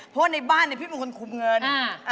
เพราะในบ้านนี่พี่เป็นคนขุมเงิน